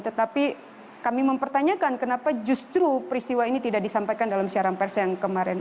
tetapi kami mempertanyakan kenapa justru peristiwa ini tidak disampaikan dalam siaran pers yang kemarin